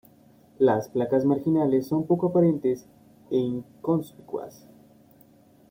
Las placas marginales son poco aparentes e inconspicuas.